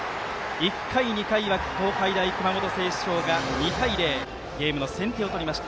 １回、２回は東海大熊本星翔が２対０とゲームの先手を取りました。